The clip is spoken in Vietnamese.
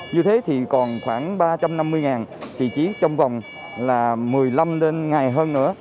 như thế thì còn khoảng ba trăm năm mươi chỉ trong vòng một mươi năm đến ngày hơn nữa